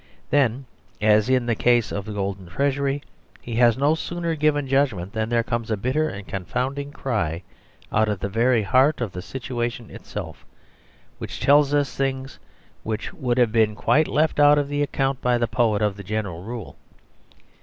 Then, as in the case of The Golden Treasury, he has no sooner given judgment than there comes a bitter and confounding cry out of the very heart of the situation itself, which tells us things which would have been quite left out of account by the poet of the general rule.